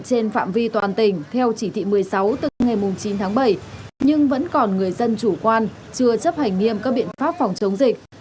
trên phạm vi toàn tỉnh theo chỉ thị một mươi sáu từ ngày chín tháng bảy nhưng vẫn còn người dân chủ quan chưa chấp hành nghiêm các biện pháp phòng chống dịch